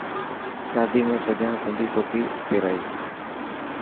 شادي ۾ سجان سنڌي ٽوپي پيرائي.